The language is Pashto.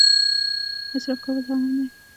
اسراف کول حرام دي